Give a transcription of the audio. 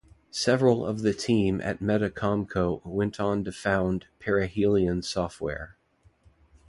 Several of the team at MetaComCo went on to found Perihelion Software.